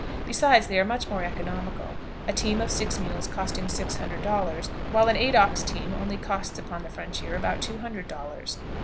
Besides, they are much more economical, a team of six mules costing six hundred dollars, while an eight ox team only costs upon the frontier about two hundred dollars.